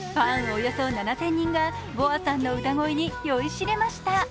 およそ７０００人がＢｏＡさんの歌声に酔いしれました。